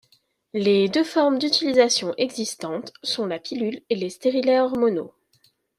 Les deux formes d'utilisation existantes sont la pilule et les stérilets hormonaux.